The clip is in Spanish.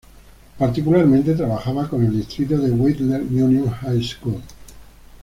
Particularmente trabajaba con el distrito de Whittier Union High School.